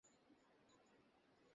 Nurse, তাকে ভিতরে নিয়ে যাও।